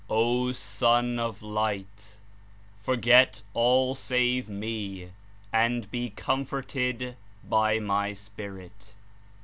'^O Son of Light! Forget all else save Me, and he comforted by My Spirit.''